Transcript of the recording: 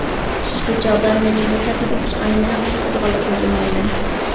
شۇ چاغدا، مېنى بۇ خەتنى ئوقۇشقا نېمىنىڭ قىزىقتۇرغانلىقىنى بىلمەيمەن.